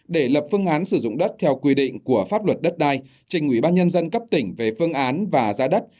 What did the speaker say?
để lập phương án sử dụng đất theo quy định của pháp luật đất đai trình ủy ban nhân dân cấp tỉnh về phương án và giá đất